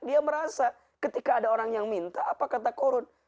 dia merasa ketika ada orang yang minta apa kata korun